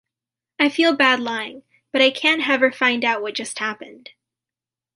I feel bad lying, but I can't have her find out what just happened.